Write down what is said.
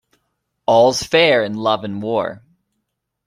All's fair in love and war.